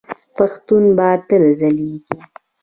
پښتو به تل ځلیږي.